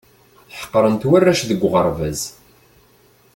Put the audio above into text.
Ḥeqren-t warrac deg uɣerbaz.